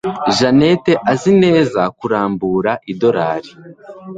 Janet azi neza kurambura idorari.